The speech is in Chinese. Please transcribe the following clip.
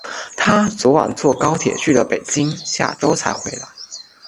她昨晚坐高铁去了北京，下周才回来。